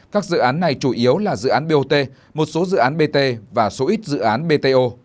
các dự án này chủ yếu là dự án bot một số dự án bt và số ít dự án bto